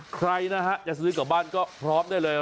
ใครนะฮะจะซื้อกลับบ้านก็พร้อมได้เลย